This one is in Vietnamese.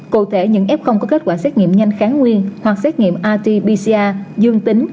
cụ thể những f có kết quả xét nghiệm nhanh kháng nguyên hoặc xét nghiệm rt pcr dương tính